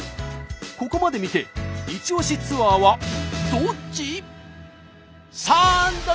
ここまで見てイチオシツアーはどっち？